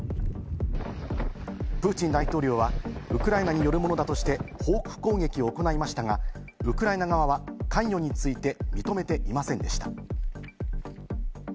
プーチン大統領はウクライナによるものだとして報復攻撃を行いましたが、ウクライナ側は関与について認めていませんでした。